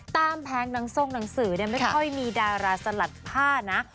ตามแพ้นท์นั้งส้มนางสือเนี่ยไม่ค่อยมีดาราสลัดผ้านะ